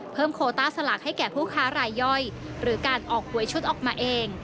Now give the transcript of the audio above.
โคต้าสลากให้แก่ผู้ค้ารายย่อยหรือการออกหวยชุดออกมาเอง